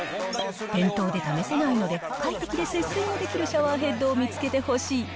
店頭で試せないので快適で節水もできるシャワーヘッドを見つけてほしい。